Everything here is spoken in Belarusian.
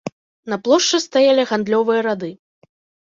На плошчы стаялі гандлёвыя рады.